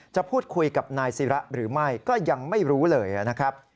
จะพูดคุยกับนายศิระหรือไม่ก็ยังไม่รู้เลยนะครับ